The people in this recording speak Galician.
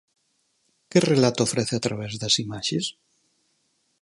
Que relato ofrece a través das imaxes?